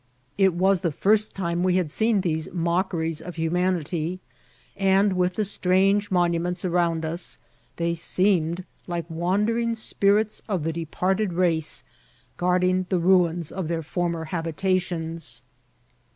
It was the first time we had seen these mock eries of humanity, and, with the strange monuments around us, they seemed like wandering spirits of the departed race guarding the ruins of their former habi tations.